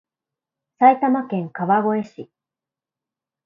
埼玉県川越市